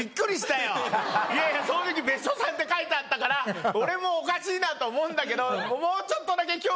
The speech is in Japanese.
いやいや正直「別所さん」って書いてあったから俺もおかしいなと思うんだけど。